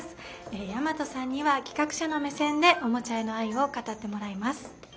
大和さんには企画者の目線でおもちゃへの愛を語ってもらいます。